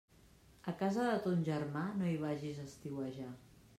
A casa de ton germà, no hi vagis a estiuejar.